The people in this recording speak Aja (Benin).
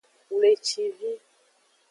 Wlecivi.